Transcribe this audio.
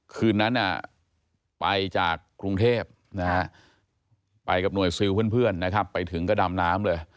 คืนนั้นไปจากกรุงเทพนะฮะไปกับหน่วยซิลเพื่อนนะครับไปถึงก็ดำน้ำเลย